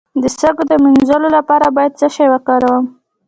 د سږو د مینځلو لپاره باید څه شی وکاروم؟